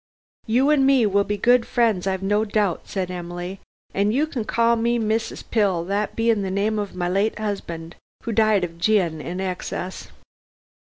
"You an' me will be good friends, I've no doubt," said Emily, "an' you can call me Mrs. Pill, that being the name of my late 'usband, who died of gin in excess.